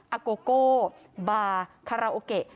อาโกโกบาคาราโอเกะ